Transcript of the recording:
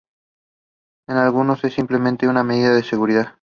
En algunos, es simplemente una medida de seguridad.